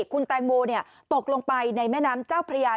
คุณแตงโมตกลงไปในแม่น้ำเจ้าพระยา